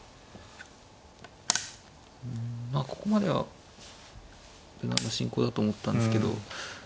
まあここまでは無難な進行だと思ったんですけど。